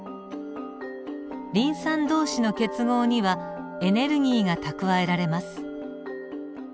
リン酸同士の結合にはエネルギーが蓄えられます。